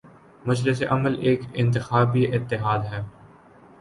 مجلس عمل ایک انتخابی اتحاد ہے۔